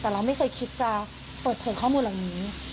แต่เราไม่เคยคิดจะเปิดเผยข้อมูลเหล่านี้